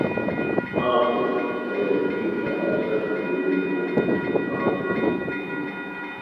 Composting toilets aim to have a certain degree of moisture in the composting chamber.